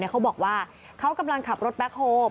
เขาบอกว่าเขากำลังขับรถแบ็คโฮล